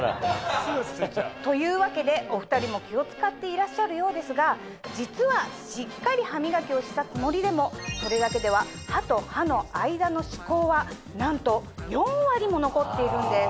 というわけでお２人も気を使っていらっしゃるようですが実はしっかり歯磨きをしたつもりでもそれだけでは歯と歯の間の歯垢はなんと４割も残っているんです。